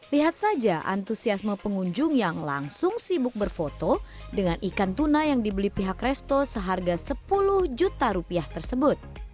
lihat saja antusiasme pengunjung yang langsung sibuk berfoto dengan ikan tuna yang dibeli pihak resto seharga sepuluh juta rupiah tersebut